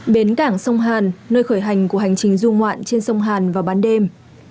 bến cảng sông hàn nơi khởi hành của hành trình du ngoạn trên sông hàn vào ban đêm